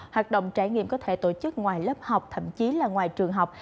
hoạt động trải nghiệm có thể tổ chức ngoài lớp học thậm chí là ngoài trường học